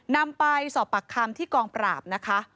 นำไปสอบปากคำที่กองปราบนะคะ